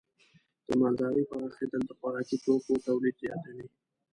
د مالدارۍ پراخېدل د خوراکي توکو تولید زیاتوي.